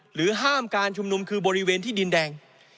ห้ามการชุมนุมคือบริเวณที่ดินแดง